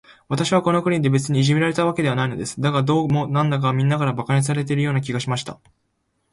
私はこの国で、別にいじめられたわけではないのです。だが、どうも、なんだか、みんなから馬鹿にされているような気がしました。